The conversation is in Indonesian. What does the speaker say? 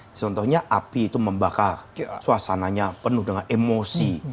di contohnya api itu membakar suasananya penuh dengan emosi